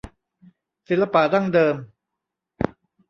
ศิลปะดั้งเดิม